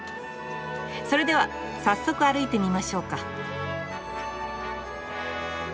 それでは早速歩いてみましょうか。